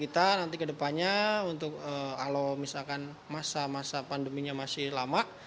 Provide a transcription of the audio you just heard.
kita nanti kedepannya untuk halo misalkan masa masa pandeminya masih lama